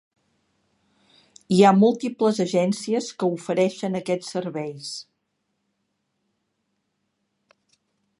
Hi ha múltiples agències que ofereixen aquests serveis.